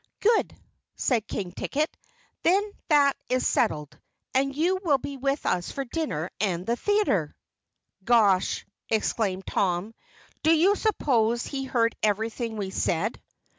"Good!" said King Ticket. "Then that is settled and you will be with us for dinner and the theater!" "Gosh!" exclaimed Tom, "do you suppose he heard everything we said?"